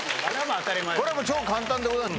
これは超簡単でございます